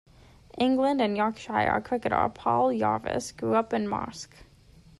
England and Yorkshire cricketer Paul Jarvis grew up in Marske.